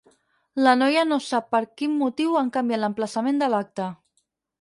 La noia no sap per quin motiu han canviat l'emplaçament de l'acte.